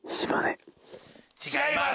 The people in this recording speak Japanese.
違います。